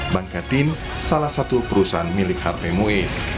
bangkatin salah satu perusahaan milik harvey moise